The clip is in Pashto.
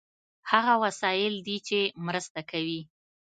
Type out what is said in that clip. هغه وسایل دي چې مرسته کوي.